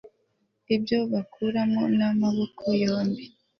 ibyo bakuramo n'amaboko yombi